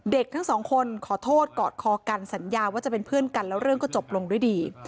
ทั้งสองคนขอโทษกอดคอกันสัญญาว่าจะเป็นเพื่อนกันแล้วเรื่องก็จบลงด้วยดี